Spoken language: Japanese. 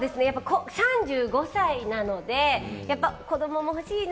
３５歳なので子どもも欲しいな。